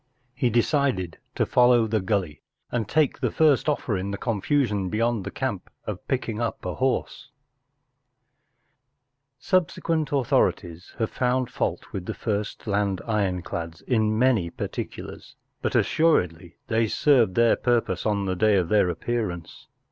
He de¬ cided to follow the gully y and take the first offer in the con¬ fusion beyond the camp of picking 1 up a horse, IV. Subsequent authorities have found fault with the first land ironclads in many particulars, but assuredly they served their purpose on the day of their appearance.